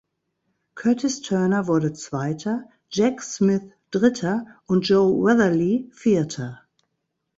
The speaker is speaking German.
Curtis Turner wurde Zweiter, Jack Smith Dritter und Joe Weatherly Vierter.